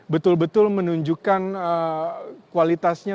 betul betul menunjukkan kualitasnya